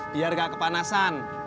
biar enggak kepanasan